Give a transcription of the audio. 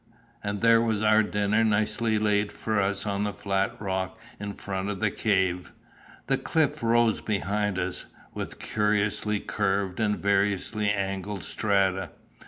And there was our dinner nicely laid for us on a flat rock in front of the cave. The cliffs rose behind us, with curiously curved and variously angled strata.